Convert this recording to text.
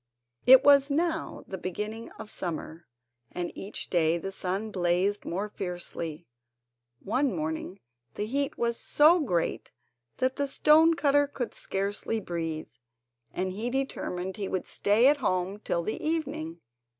It was now the beginning of summer, and each day the sun blazed more fiercely. One morning the heat was so great that the stone cutter could scarcely breathe, and he determined he would stay at home till the evening.